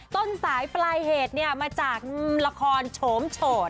ต้นสายปลายเหตุเนี่ยมาจากละครโฉมโฉด